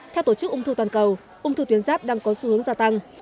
theo tổ chức ung thư toàn cầu ung thư tuyến giáp đang có xu hướng gia tăng